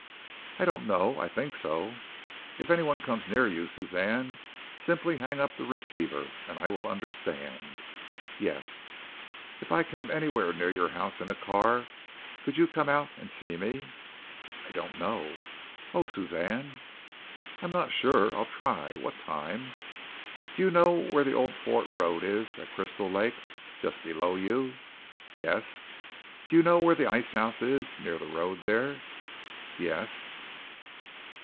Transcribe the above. "I don't know. I think so." "If anyone comes near you, Suzanne, simply hang up the receiver, and I will understand." "Yes." "If I came anywhere near your house in a car, could you come out and see me?" "I don't know." "Oh, Suzanne!" "I'm not sure. I'll try. What time?" "Do you know where the old fort road is, at Crystal Lake, just below you?" "Yes." "Do you know where the ice house is near the road there?" "Yes."